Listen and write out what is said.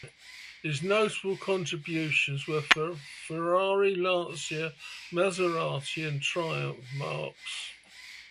His notable contributions were for Ferrari, Lancia, Maserati and Triumph marques.